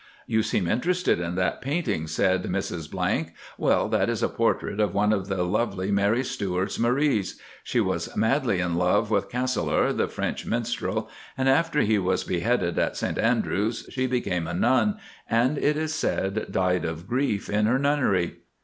"'You seem interested in that painting,' said Mrs ⸺. 'Well, that is a portrait of one of the lovely Mary Stuart's Maries. She was madly in love with Castelar, the French minstrel, and after he was beheaded at St Andrews she became a nun, and it is said died of grief in her nunnery.